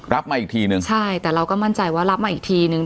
มาอีกทีนึงใช่แต่เราก็มั่นใจว่ารับมาอีกทีนึง